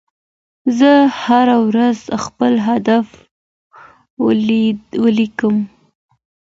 زه هره ورځ خپل اهداف ولیکم.